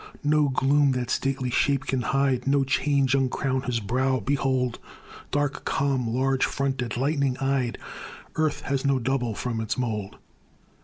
No gloom that stately shape can hide, No change uncrown his brow: behold! Dark, calm, large fronted, lightning eyed, Earth has no double from its mould!